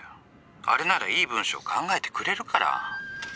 あれならいい文章考えてくれるから」。